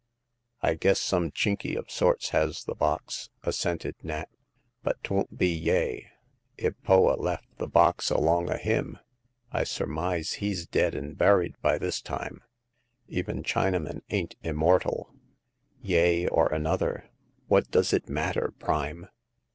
"I guess some Chinky of sorts has the box," assented Nat, " but 'twon't be Yeh. If Poa lef the box along o* him, I surmise he's dead and The Third Customer. loi buried by this time. Even Chinamen ain't im mortal." Yeh or another — what does it matter, Prime